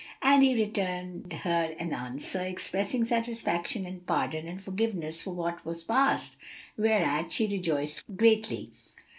[FN#258] And he returned her an answer, expressing satisfaction and pardon and forgiveness for what was past, whereat she rejoiced greatly.